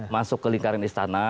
masuk ke lingkaran istana